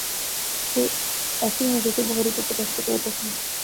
সেই একই নিজেকে বহুরূপে প্রকাশিত করিতেছেন।